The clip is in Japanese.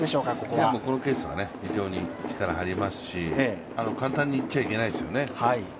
このケースは非常に力が入りますし、簡単にいっちゃいけないですよね。